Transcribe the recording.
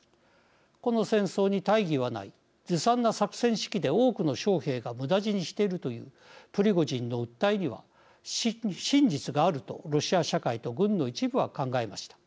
この戦争に大義はないずさんな作戦指揮で多くの将兵が、むだ死にしているというプリゴジンの訴えには真実があるとロシア社会と軍の一部は考えました。